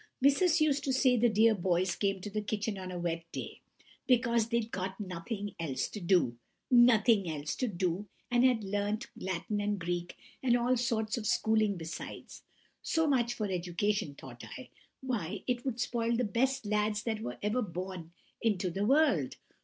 Missus used to say the 'dear boys' came to the kitchen on a wet day, because they'd got nothing else to do! Nothing else to do! and had learnt Latin and Greek, and all sorts of schooling besides! So much for education, thought I. Why, it would spoil the best lads that ever were born into the world.